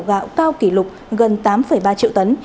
gạo cao kỷ lục gần tám ba triệu tấn